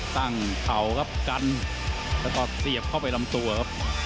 เข่าครับกันแล้วก็เสียบเข้าไปลำตัวครับ